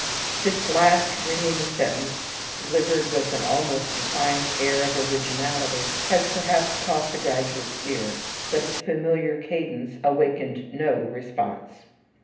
This last ringing sentence delivered with an almost defiant air of originality has perhaps caught the graduate's ear, but its familiar cadence awakened no response.